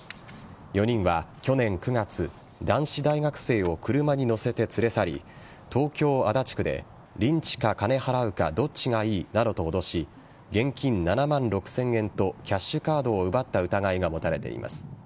４人は去年９月男子大学生を車に乗せて連れ去り東京・足立区でリンチか金払うかどっちがいいなどと脅し現金７万６０００円とキャッシュカードを奪った疑いが持たれています。